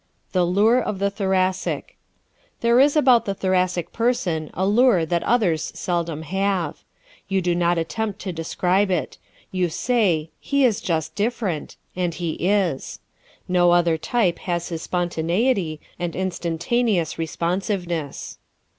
The Lure of the Thoracic ¶ There is about the Thoracic person a lure that others seldom have. You do not attempt to describe it. You say "he is just different," and he is. No other type has his spontaneity and instantaneous responsiveness.